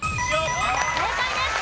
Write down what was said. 正解です。